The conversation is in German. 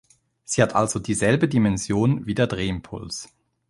Sie hat also dieselbe Dimension wie der Drehimpuls.